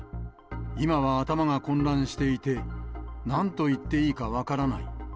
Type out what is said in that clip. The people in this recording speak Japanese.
今は頭が混乱していて、なんと言っていいか分からない。